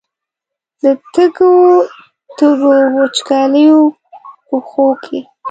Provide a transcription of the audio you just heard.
د تږو، تږو، وچکالیو پښو کې